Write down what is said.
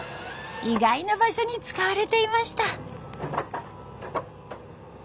意外な場所に使われていました。